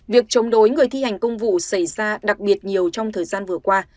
việc chống đối người thi hành công vụ xảy ra đặc biệt nhiều trong thời gian vừa qua